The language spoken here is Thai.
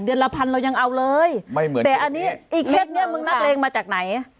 ละพันเรายังเอาเลยไม่เหมือนกันแต่อันนี้ไอ้เคสเนี้ยมึงนักเลงมาจากไหน